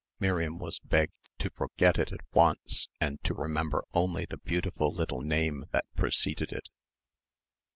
Miriam was begged to forget it at once and to remember only the beautiful little name that preceded it.